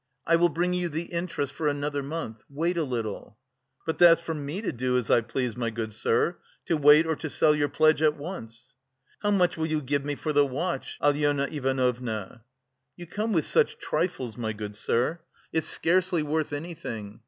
"I will bring you the interest for another month; wait a little." "But that's for me to do as I please, my good sir, to wait or to sell your pledge at once." "How much will you give me for the watch, Alyona Ivanovna?" "You come with such trifles, my good sir, it's scarcely worth anything.